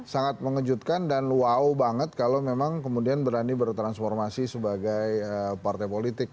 sangat mengejutkan dan wow banget kalau memang kemudian berani bertransformasi sebagai partai politik